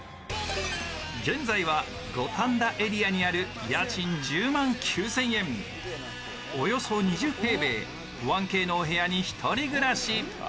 現在は五反田エリアにある、家賃１０万９０００円、およそ２０平米、１Ｋのお部屋に１人暮らし。